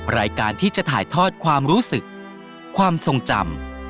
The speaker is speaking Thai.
รายการที่จะถ่ายทอดความรู้สึกความทรงจำ